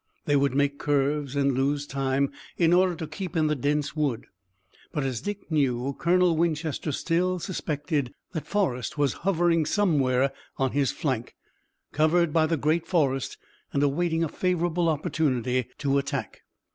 They would make curves and lose time in order to keep in the dense wood, but, as Dick knew, Colonel Winchester still suspected that Forrest was hovering somewhere on his flank, covered by the great forest and awaiting a favorable opportunity to attack.